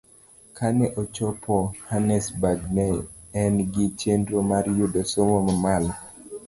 Kane ochopo Hannesburg, ne en gi chenro mar yudo somo mamalo.